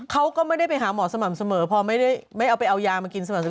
เขาก็ไม่ได้ไปหาหมอสม่ำเสมอพอไม่เอาไปเอายามากินสม่ำเสมอ